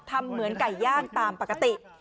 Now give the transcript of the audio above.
ทำเหมือนไก่ย่างตามปกติ